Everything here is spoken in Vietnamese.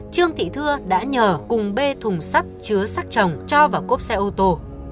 trương thị thưa đã nhờ cùng bê thùng sắc chứa sắc chồng cho vào cốp xe ô tô